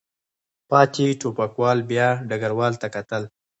پاتې ټوپکوالو بیا ډګروال ته کتل.